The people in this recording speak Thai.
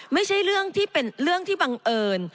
ไม่ใช่เรื่องที่เป็นเรื่องที่บังเอิญ